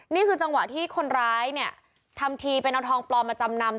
นี่คือจังหวะที่คนร้ายเนี่ยทำทีเป็นเอาทองปลอมมาจำนำ